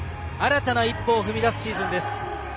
新たな一歩を踏み出すシーズンです。